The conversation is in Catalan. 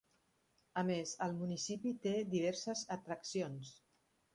A més, el municipi té diverses atraccions.